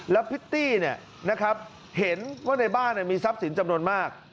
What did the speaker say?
แล้วพิตตี้เห็นว่าในบ้านมีทรัพย์สินจำนวนมาก